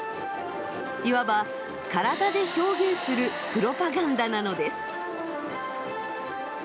いわば「体で表現するプロパガンダ」なのです。